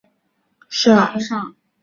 在非相对论性的热运动速度下。